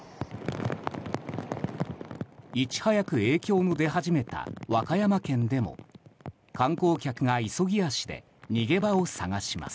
いち早く影響の出始めた和歌山県でも観光客が急ぎ足で逃げ場を探します。